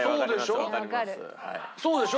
そうでしょ？